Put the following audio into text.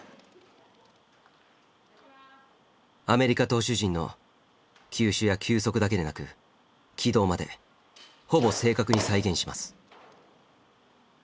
アメリカ投手陣の球種や球速だけでなく軌道までほぼ正確に再現します。